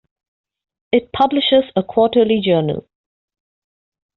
It publishes a quarterly journal.